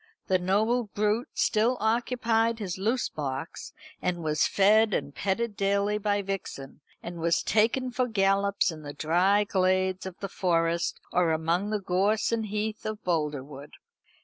The noble brute still occupied his loose box, and was fed and petted daily by Vixen, and was taken for gallops in the dry glades of the Forest, or among the gorse and heath of Boldrewood.